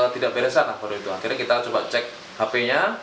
tidak beresan pada itu akhirnya kita coba cek hp nya